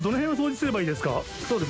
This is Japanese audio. どの辺を掃除すればいいです